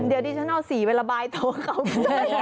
เดี๋ยวดิจันทัลสีไประบายโต๊ะเขา